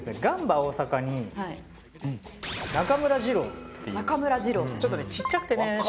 ガンバ大阪に中村仁郎っていうちょっとねちっちゃくてね